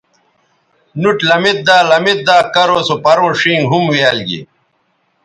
نُوٹ لمیدا لمیدا کرو سو پروں ݜینگ ھُمویال گی